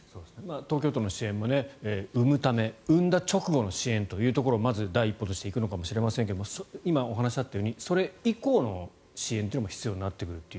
東京都の支援も産むため、産んだ直後の支援というところをまず第一歩として行くのかもしれませんが今、お話があったようにそれ以降の支援というのも必要になってくるという。